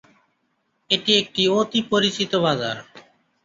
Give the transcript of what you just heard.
এটি একটি অতি পরিচিত বাজার।